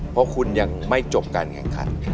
เพราะคุณยังไม่จบการแข่งขัน